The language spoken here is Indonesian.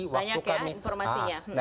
banyak ya informasinya